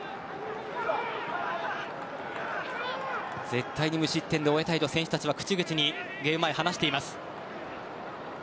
絶対に無失点で終えたいと選手たちは口々にゲーム前、話しています。